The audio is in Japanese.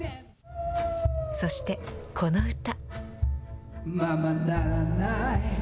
そして、この歌。